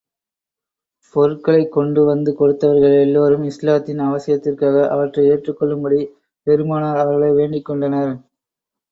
பொருட்களைக் கொண்டு வந்து கொடுத்தவர்கள் எல்லோரும், இஸ்லாத்தின் அவசியத்திற்காக, அவற்றை ஏற்றுக் கொள்ளும்படி பெருமானார் அவர்களை வேண்டிக் கொண்டனர்.